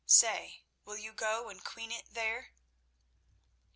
Say, will you go and queen it there?"